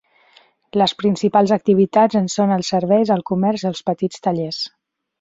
Les principals activitats en són els serveis, el comerç i els petits tallers.